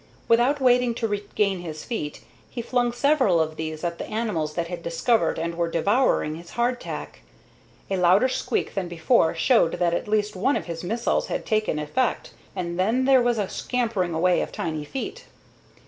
Without waiting to regain his feet, he flung several of these at the animals that had discovered and were devouring his hardtack. A louder squeak than before showed that at least one of his missiles had taken effect, and then there was a scampering away of tiny feet.